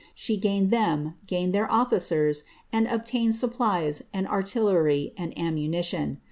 She gained them, gained their ollicers, and obtained supplies, and artillery, and ammunition.